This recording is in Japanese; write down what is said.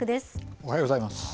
おはようございます。